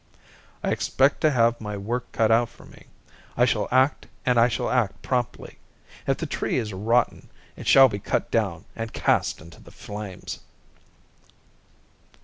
"I expect to have my work cut out for me. I shall act and I shall act promptly. If the tree is rotten it shall be cut down and cast into the flames."